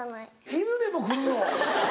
犬でも来るよ。